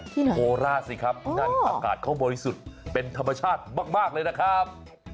ที่ไหนโคลาสิครับนั่นอากาศของบริสุทธิ์เป็นธรรมชาติมากเลยนะครับ